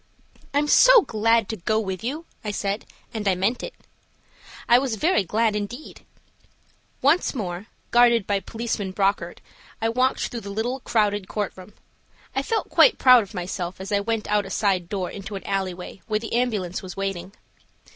"I am so glad to go with you," I said, and I meant it. I was very glad indeed. Once more, guarded by Policeman Brockert, I walked through the little, crowded courtroom. I felt quite proud of myself as I went out a side door into an alleyway, where the ambulance was waiting.